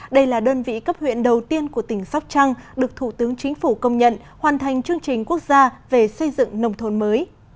đây là đơn vị cấp huyện đầu tiên của tỉnh sóc trăng được thủ tướng chính phủ công nhận hoàn thành chương trình quốc gia về xây dựng nông thôn mới